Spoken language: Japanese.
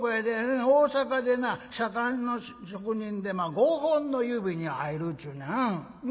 大阪でな左官の職人で５本の指に入るっちゅうねん。